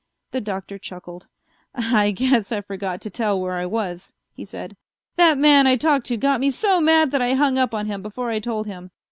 The Doctor chuckled. "I guess I forgot to tell where I was," he said. "That man I talked to got me so mad that I hung up on him before I told him.